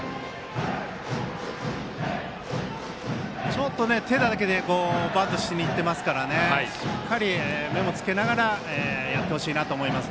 ちょっと手だけでバントしにいってますからしっかり目をつけながらやってほしいなと思います。